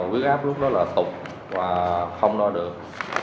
quý gáp lúc đó là tục và không lo được